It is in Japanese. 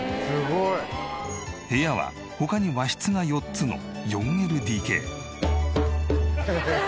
部屋は他に和室が４つの４ＬＤＫ。